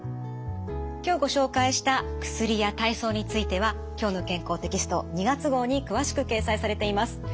今日ご紹介した薬や体操については「きょうの健康」テキスト２月号に詳しく掲載されています。